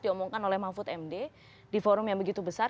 diomongkan oleh mahfud md di forum yang begitu besar